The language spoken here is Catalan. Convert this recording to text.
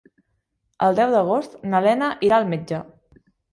El deu d'agost na Lena irà al metge.